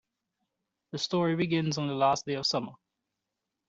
The story begins on the last day of summer.